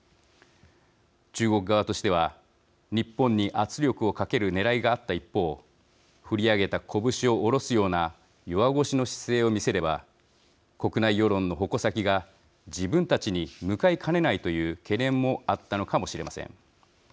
中国側としては、日本に圧力をかけるねらいがあった一方振り上げた拳を下ろすような弱腰の姿勢を見せれば国内世論の矛先が自分たちに向かいかねないという懸念もあったのかもしれません。